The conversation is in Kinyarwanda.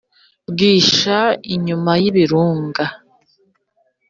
bwisha inyuma y'ibirunga